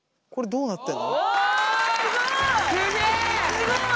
すごい。